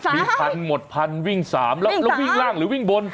มีพันหมดพันวิ่ง๓แล้ววิ่งล่างหรือวิ่งบน